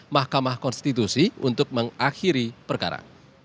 mahkamah konstitusi untuk mengakhiri perkara